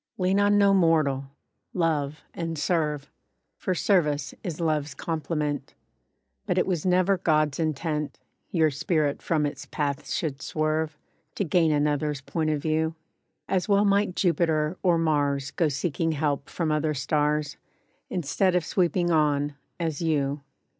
LEAN on no mortal, Love, and serve; (For service is love's complement), But it was never God's intent, Your spirit from its path should swerve, To gain another's point of view. As well might Jupiter, or Mars Go seeking help from other stars, Instead of sweeping ON, as you.